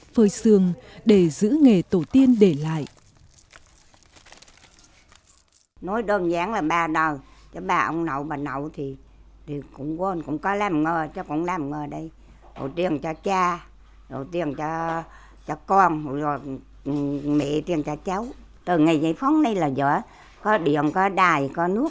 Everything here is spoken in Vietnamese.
phơi xương để giữ nghề tổ tiên để lại